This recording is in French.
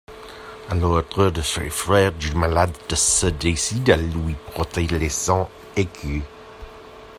Alors deux des frères du malade se décident à lui porter les cent écus.